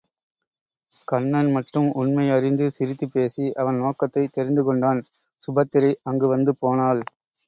கண்ணன் மட்டும் உண்மை அறிந்து சிரித்துப் பேசி அவன் நோக்கத்தைத் தெரிந்துகொண்டான் சுபத்திரை அங்கு வந்து போனாள்.